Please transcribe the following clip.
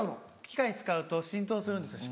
機械使うと浸透するんですよ